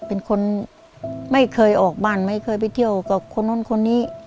เป็นคนไม่เคยออกบ้านไม่เคยไปเที่ยวกับคนนู้นคนนี้